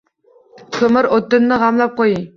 Koʻmir, oʻtinni gʻamlab qoʻying!